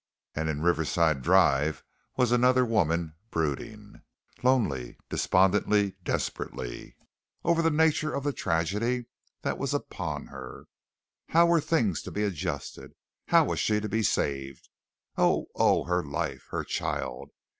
And in Riverside Drive was another woman brooding, lonely, despondently, desperately, over the nature of the tragedy that was upon her. How were things to be adjusted? How was she to be saved? Oh! oh! her life, her child!